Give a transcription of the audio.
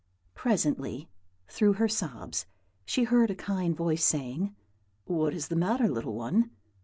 Presently, through her sobs, she heard a kind voice saying, "What is the matter, little one?